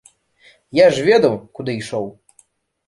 Я ж ведаў, куды ішоў.